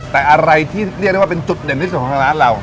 แต่อะไรที่เรียกได้ว่าเป็นจุดเด่นที่สุดของทางร้านเรา